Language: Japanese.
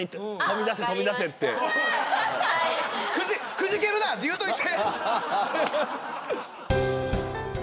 くじけるなって言うといて。